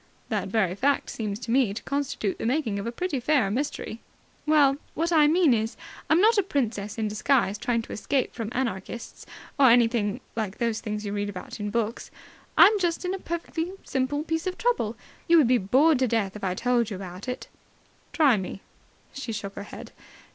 "That very fact seems to me to constitute the makings of a pretty fair mystery." "Well, what I mean is, I'm not a princess in disguise trying to escape from anarchists, or anything like those things you read about in books. I'm just in a perfectly simple piece of trouble. You would be bored to death if I told you about it." "Try me." She shook her head.